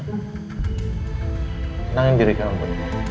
kenangin diri kamu